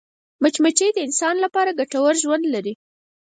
مچمچۍ د انسان لپاره ګټور ژوند لري